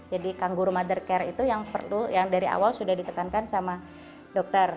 jadi kanggu rumah tercare itu yang dari awal sudah ditekankan sama dokter